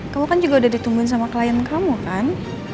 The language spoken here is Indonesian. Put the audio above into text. kamu kan juga udah ditungguin sama klien kamu kan